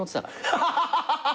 ハハハハ！